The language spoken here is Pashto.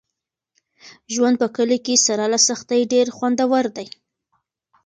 ژوند په کلي کې سره له سختۍ ډېر خوندور دی.